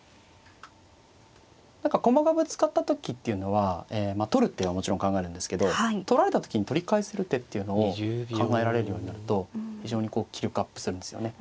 駒がぶつかった時っていうのは取る手はもちろん考えるんですけど取られた時に取り返せる手っていうのを考えられるようになると非常にこう棋力アップするんですよね。